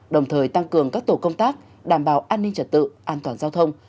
đồng thời tăng cường các tổ công tác đảm bảo an ninh trật tự an toàn giao thông